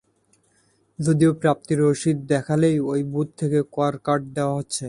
যদিও প্রাপ্তি রসিদ দেখালেই ওই বুথ থেকে কর কার্ড দেওয়া হচ্ছে।